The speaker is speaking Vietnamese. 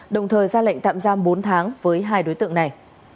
đồng thời ra lệnh tạm giam bốn tháng với hai đối tượng này